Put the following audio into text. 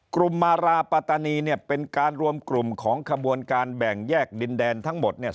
มาราปัตตานีเนี่ยเป็นการรวมกลุ่มของขบวนการแบ่งแยกดินแดนทั้งหมดเนี่ย